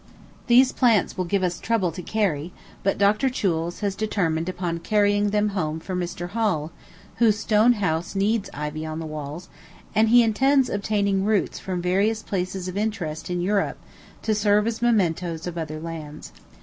These plants will give us trouble to carry; but Dr. Choules has determined upon carrying them home for Mr. Hall, whose stone house needs ivy on the walls, and he intends obtaining roots from various places of interest in Europe, to serve as mementoes of other lands.